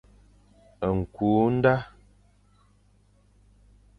Ñkü nda.